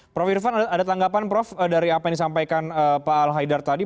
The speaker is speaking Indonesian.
prof irfan ada tanggapan prof dari apa yang disampaikan pak al haidar tadi